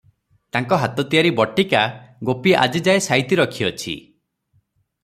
ତାଙ୍କ ହାତ ତିଆରି ବଟିକା ଗୋପୀ ଆଜିଯାଏ ସାଇତି ରଖିଅଛି ।